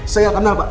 saya gak kenal pak